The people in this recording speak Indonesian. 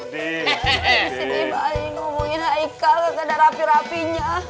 di sini balik ngomongin haikat gak ada rapi rapinya